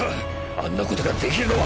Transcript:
あんなことができるのは。